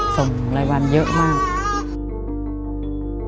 ส่งรายวันเยอะมาก